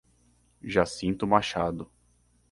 Jacinto Machado